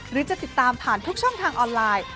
หรือจะติดตามผ่านทุกช่องทางออนไลน์